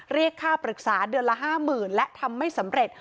เรียกค่าปรึกษาเดือนละ๕๐๐๐และทำไม่สำเร็จ